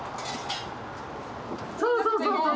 そうそうそうそう！